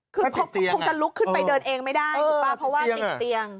คงจะลุกขึ้นไปเดินเองไม่ได้เพราะว่าติดเตียง